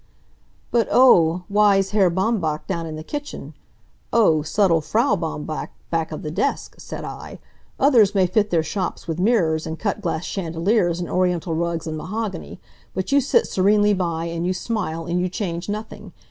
"But O, wise Herr Baumbach down in the kitchen! O, subtle Frau Baumbach back of the desk!" said I. "Others may fit their shops with mirrors, and cut glass chandeliers and Oriental rugs and mahogany, but you sit serenely by, and you smile, and you change nothing.